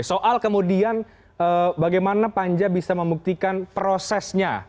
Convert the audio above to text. soal kemudian bagaimana panja bisa membuktikan prosesnya